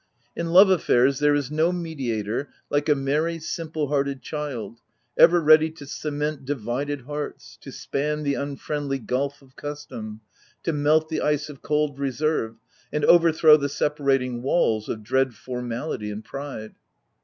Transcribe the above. In love affairs, there is no mediator like a merry, simple hearted child — ever ready to cement divided hearts, to span the unfriendly gulph of custom, to melt the ice of cold reserve, and overthrow the separating walls of dread formality and pride.